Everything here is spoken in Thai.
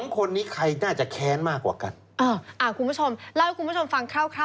๒คนนี้ใครน่าจะแค้นมากกว่ากัน